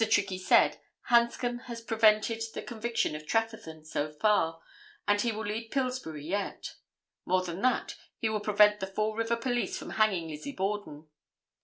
Trickey said, 'Hanscom had prevented the conviction of Trefethen so far, and he will lead Pillsbury yet; more than that, he will prevent the Fall River police from hanging Lizzie Borden.